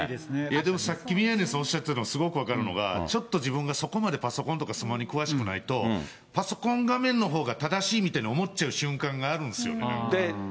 でもさっき宮根さんおっしゃってたのが、すごく分かるのが、ちょっと自分がそこまでパソコンとかスマホに詳しくないと、パソコン画面のほうが正しいみたいに思っちゃう瞬間があるんですよ。